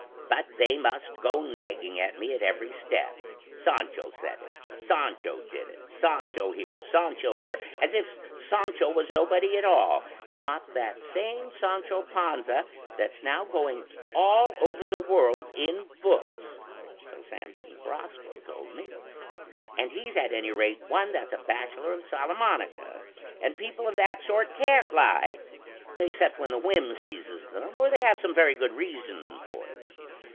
But they must go nagging at me at every step 'Sancho said it, Sancho did it; Sancho here, Sancho there,' as if Sancho was nobody at all, and not that same Sancho Panza that's now going all over the world in books, so Samson Carrasco told me, and he's at any rate one that's a bachelor of Salamanca; and people of that sort can't lie, except when the whim seizes them or they have some very good reason for it.